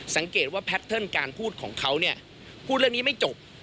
สังเกตว่าแพทเทิร์นการพูดของเขาเนี่ยพูดเรื่องนี้ไม่จบ